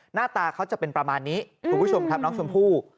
หน้าตาเขาจะเป็นประมาณนี้คุณผู้ชมครับน้องชมพู่